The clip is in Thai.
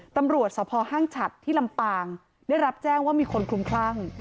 ตำรวจสภห้างฉัดที่ลำปางได้รับแจ้งว่ามีคนคลุมคลั่ง